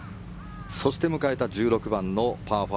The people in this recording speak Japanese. そして迎えた１６番のパー５。